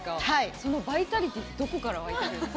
そのバイタリティー、どこから湧いてくるんですか？